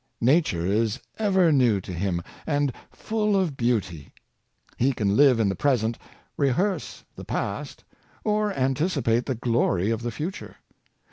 Nature is ever new to him, and full of beauty. He can live in the present, rehearse the past, or anticipate the glory of the future.